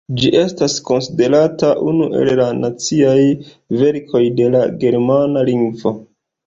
Ĝi estas konsiderata unu el la naciaj verkoj de la germana lingvo.